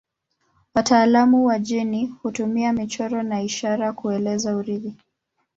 Wataalamu wa jeni hutumia michoro na ishara kueleza urithi.